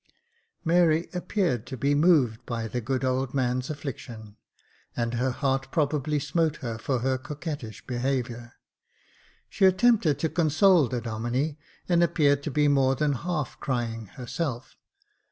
Mary appeared to be moved by the good old man's affliction, and her heart probably smote her for her coquettish behaviour. She attempted to console the Domine, and appeared to be more than half crying herself.